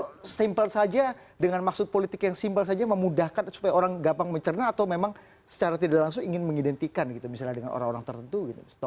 atau simple saja dengan maksud politik yang simpel saja memudahkan supaya orang gampang mencerna atau memang secara tidak langsung ingin mengidentikan gitu misalnya dengan orang orang tertentu gitu